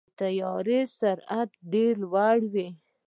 د طیارې سرعت ډېر لوړ وي.